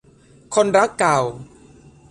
คนรักเก่า